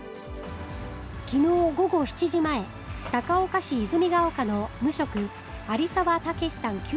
きのう午後７時前、高岡市泉が丘の無職、有澤武さん